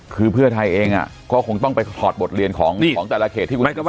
คือเพื่อไทยเองก็คงต้องไปถอดบทเรียนของแต่ละเขตที่คุณ